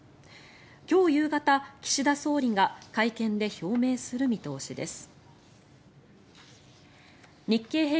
今日夕方、岸田総理が会見で表明する見通しです。